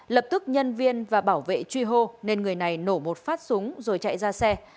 lập tức nhân viên và bảo vệ truy hô nên người này nổ một phát súng rồi chạy ra xe